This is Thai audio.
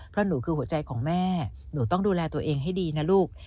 เพราะหนูคือหัวใจของแม่หนูต้องดูแลตัวเองให้ดีนะลูก